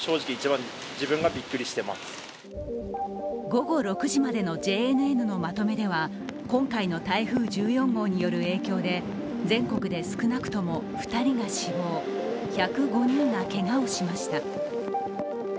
午後６時までのＪＮＮのまとめでは今回の台風１４号による影響で全国で少なくとも２人が死亡１０５人がけがをしました。